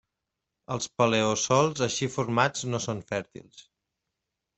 Els paleosòls així formats no són fèrtils.